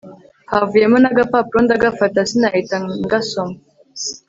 havuyemo nagapapuro ndagafata sinahita ngasoma